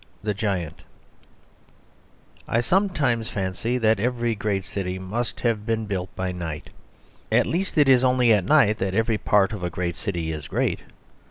XX. The Giant I sometimes fancy that every great city must have been built by night. At least, it is only at night that every part of a great city is great.